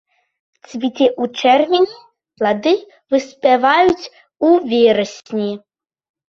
Цвіце ў чэрвені, плады выспяваюць у верасні.